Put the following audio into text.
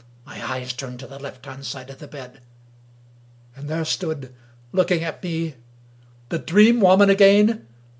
My eyes turned to the left hand side of the bed. And there stood, looking at me — The Dream Woman again?